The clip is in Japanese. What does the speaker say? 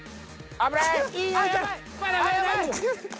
危ない！